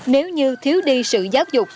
nếu như thiếu đi sự giáo dục